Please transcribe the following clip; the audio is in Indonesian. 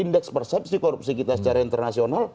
dispersepsi korupsi kita secara internasional